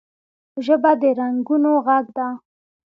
ژبه د رنګونو غږ ده